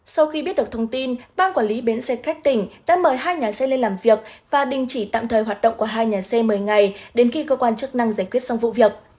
sau khi biết được thông tin ban quản lý bến xe khách tỉnh đã mời hai nhà xe lên làm việc và đình chỉ tạm thời hoạt động của hai nhà xe một mươi ngày đến khi cơ quan chức năng giải quyết xong vụ việc